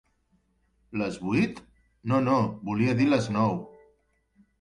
Les vuit? No, no, volia dir les nou.